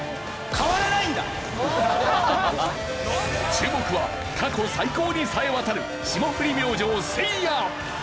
注目は過去最高にさえ渡る霜降り明星せいや。